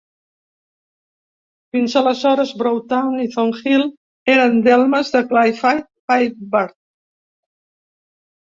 Fins aleshores, Broad Town i Thornhill eren delmes de Clyffe Pypard.